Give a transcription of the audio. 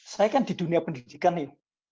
saya kan di dunia pendidikan nih